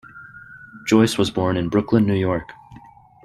Joyce was born in Brooklyn, New York.